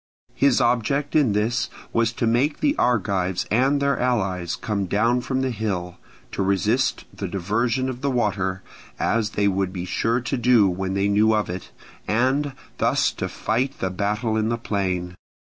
His object in this was to make the Argives and their allies come down from the hill, to resist the diversion of the water, as they would be sure to do when they knew of it, and thus to fight the battle in the plain.